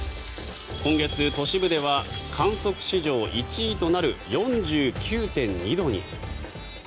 今月、都市部では観測史上１位となる４９．２度に。